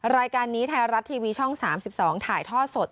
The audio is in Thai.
รายการนี้ไทยรัฐทีวีช่อง๓๒ถ่ายทอดสด